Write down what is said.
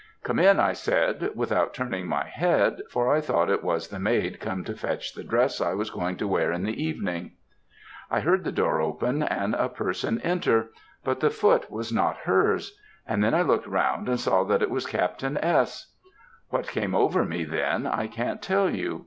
"'Come in,' I said, without turning my head, for I thought it was the maid come to fetch the dress I was going to wear in the evening. "I heard the door open and a person enter, but the foot was not her's; and then I looked round and saw that it was Captain S. What came over me then I can't tell you.